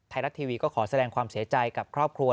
ไทยรัฐทีวีก็ขอแสดงความเสียใจกับครอบครัว